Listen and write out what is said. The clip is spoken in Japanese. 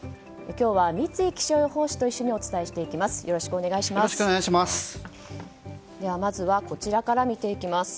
今日は三井気象予報士と一緒にお伝えしていきます。